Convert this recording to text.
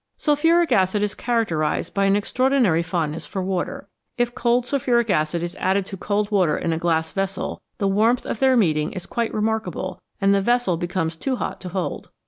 Sulphuric acid is characterised by an extraordinary fondness for water. If cold sulphuric acid is added to cold water in a glass vessel, the warmth of their meeting is^ quite remarkable, and the vessel becomes too hot to hold.